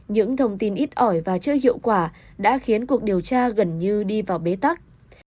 những thông tin ít ỏi và chưa hiệu quả đã khiến cuộc điều tra gần như đi vào bế tắc